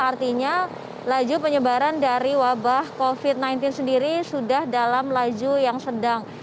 artinya laju penyebaran dari wabah covid sembilan belas sendiri sudah dalam laju yang sedang